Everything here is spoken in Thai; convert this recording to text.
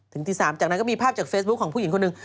ตี๓จากนั้นก็มีภาพจากเฟซบุ๊คของผู้หญิงคนหนึ่ง